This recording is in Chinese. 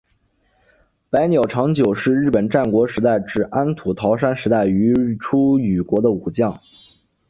白鸟长久是日本战国时代至安土桃山时代于出羽国的武将。